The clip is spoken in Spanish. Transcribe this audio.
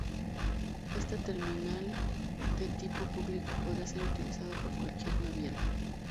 Esta terminal, de tipo público, podrá ser utilizada por cualquier naviera.